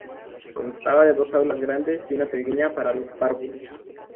Constaba de dos aulas grandes y una pequeña para los párvulos.